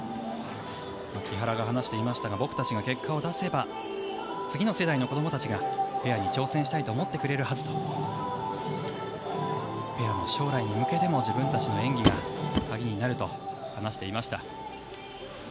木原が話していましたが僕たちが結果を出せば次の世代の子どもたちがペアに挑戦したいと思ってくれるはずとペアの将来に向けても自分たちの演技が鍵になると話していました。